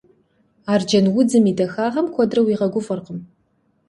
Арджэнудзым и дахагъэми куэдрэ уигъэгуфӀэркъым.